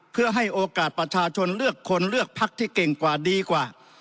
เพื่อให้โอกาสประชาชนเลือกคนเลือกพักที่เก่งกว่าดีกว่า